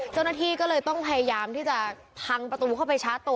เจ้าหน้าที่ก็เลยต้องพยายามที่จะพังประตูเข้าไปชาร์จตัว